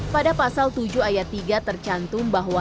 pada pasal tujuh ayat tiga tercantum bahwa